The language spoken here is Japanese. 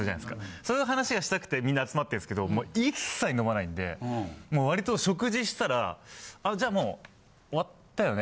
そういう話がしたくてみんな集まってるんすけど一切飲まないんでもう割と食事したら「じゃあもう終わったよね」